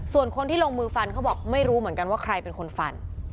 ส่วนคนที่ลงมือฟันเขาบอกไม่รู้เหมือนกันว่าใครเป็นคนฟัน